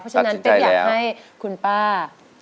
เพราะฉะนั้นเป๊กอยากให้คุณป้า